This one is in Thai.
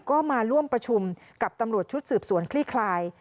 ก็มาร่วมประชุมกับตำรวจชุดสืบสวนคลี่คลาย